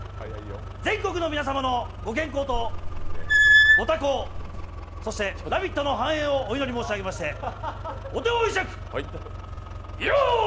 全国の皆様のご健康とご多幸、そして、「ラヴィット！」の反映をお祈り申し上げましてお手を拝借よーぉ。